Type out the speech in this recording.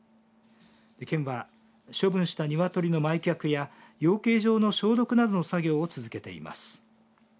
県は処分した鶏の埋却や養鶏場の消毒などの作業を続けています。